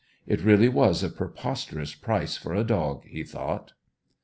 It really was a preposterous price for a dog, he thought.